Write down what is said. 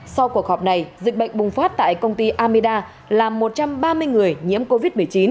sau cuộc họp này dịch bệnh bùng phát tại công ty amida làm một trăm ba mươi người nhiễm covid một mươi chín